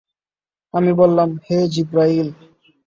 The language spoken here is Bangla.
আমি বললাম, হে জিবরাঈল!